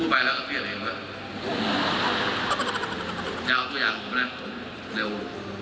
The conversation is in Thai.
อู๋ไปแล้วก็เกลียดข้างหน้าเหลวก็เอาทุกอย่างก็ได้เบลว